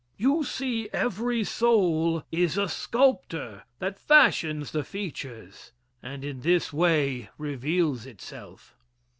You see every soul is a sculptor that fashions the features, and in this way reveals itself.